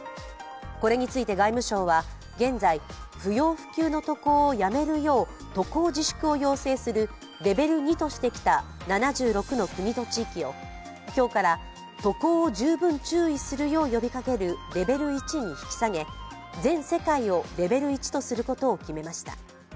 これについて外務省は、現在、不要不急の渡航をやめるよう渡航自粛を要請してきたレベル２としてきた７６の国と地域を今日から渡航を十分注意するよう呼びかけるレベル１に引き下げ、全世界をレベル１とすることを決めました。